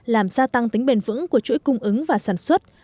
làm gia tăng tính bền vững của chuỗi cung ứng và sản xuất